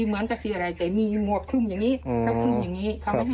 เหมือนกับสีอะไรแต่มีมวบทุ่มอย่างนี้